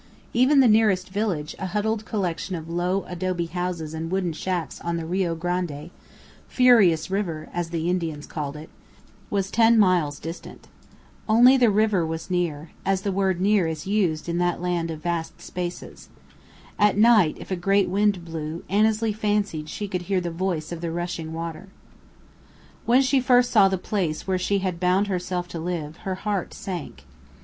Even the nearest village, a huddled collection of low adobe houses and wooden shacks on the Rio Grande ("Furious River," as the Indians called it), was ten miles distant. Only the river was near, as the word "near" is used in that land of vast spaces. At night, if a great wind blew, Annesley fancied she could hear the voice of the rushing water. When she first saw the place where she had bound herself to live, her heart sank.